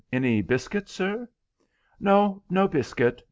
Any biscuit, sir?" "No, no biscuit.